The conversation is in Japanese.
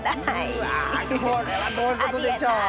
うわこれはどういうことでしょう。